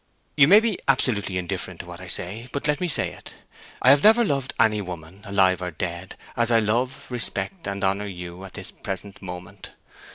You may be absolutely indifferent to what I say, but let me say it: I have never loved any woman alive or dead as I love, respect, and honor you at this present moment.